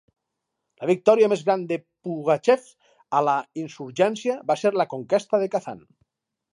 La victòria més gran de Pugachev a la insurgència va ser la conquesta de Kazan.